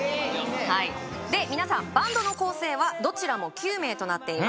はいで皆さんバンドの構成はどちらも９名となっています